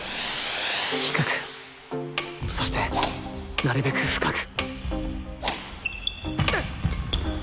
低くそしてなるべく深く